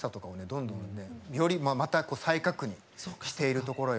どんどんねよりまた再確認しているところよ。